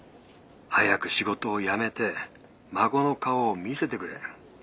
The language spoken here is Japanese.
☎早く仕事を辞めて孫の顔を見せてくれ。